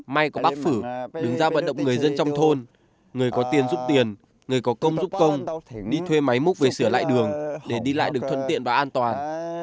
may có bác phử đứng ra vận động người dân trong thôn người có tiền giúp tiền người có công giúp công đi thuê máy múc về sửa lại đường để đi lại được thuận tiện và an toàn